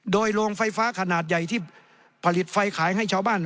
โดยโรงไฟฟ้าขนาดใหญ่ที่ผลิตไฟขายให้ชาวบ้าน